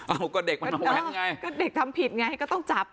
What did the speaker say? เอาก็เด็กมันไงก็เด็กทำผิดไงก็ต้องจับ